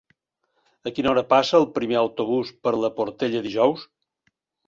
A quina hora passa el primer autobús per la Portella dijous?